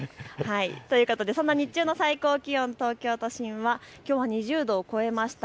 そんな日中の最高気温、東京都心はきょうは２０度を超えました。